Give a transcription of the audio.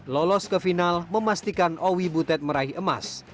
lolos ke final memastikan owi butet meraih emas